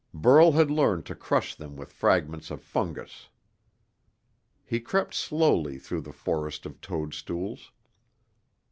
Burl had learned to crush them with fragments of fungus. He crept slowly through the forest of toadstools.